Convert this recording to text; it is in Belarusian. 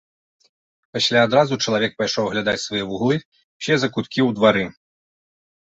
Пасля адразу чалавек пайшоў аглядаць свае вуглы, усе закуткі ў двары.